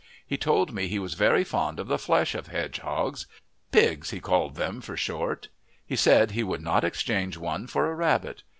He told me he was very fond of the flesh of hedgehogs "pigs," he called them for short; he said he would not exchange one for a rabbit.